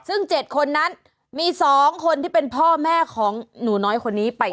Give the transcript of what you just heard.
ซึ่ง๗คนนั้นมี๒คนที่เป็นพ่อแม่ของหนูน้อยคนนี้ไป